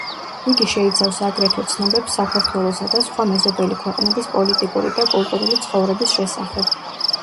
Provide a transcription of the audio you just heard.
იგი შეიცავს აგრეთვე ცნობებს საქართველოსა და სხვა მეზობელი ქვეყნების პოლიტიკური და კულტურული ცხოვრების შესახებ.